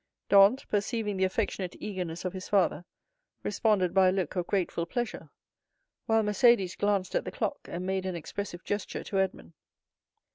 Dantès, perceiving the affectionate eagerness of his father, responded by a look of grateful pleasure; while Mercédès glanced at the clock and made an expressive gesture to Edmond.